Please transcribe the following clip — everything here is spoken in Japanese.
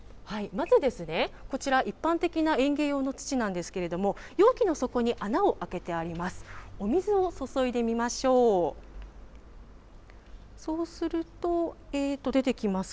まず、こちら、一般的な園芸用の土なんですけれども、容器の底に穴を開けてあります。